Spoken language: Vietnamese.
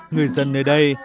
người dân nơi đây